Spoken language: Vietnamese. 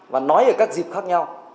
và nói ở các dịp khác nhau